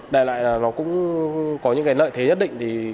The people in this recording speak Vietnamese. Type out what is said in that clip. đại loại là nó cũng có những cái lợi thế nhất định